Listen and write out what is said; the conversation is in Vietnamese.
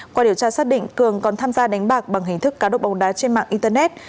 qua điều tra xác định cường còn tham gia đánh bạc bằng hình thức cá độ bóng đá trên mạng internet